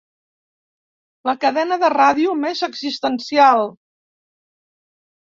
La cadena de ràdio més existencial.